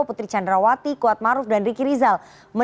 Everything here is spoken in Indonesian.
putri candrawati kuatmaruf dan riki rizal